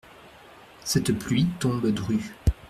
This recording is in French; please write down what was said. Cette pluie tombe drue.